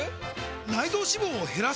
内臓脂肪を減らす！？